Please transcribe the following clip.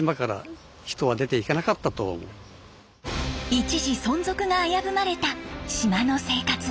一時存続が危ぶまれた島の生活。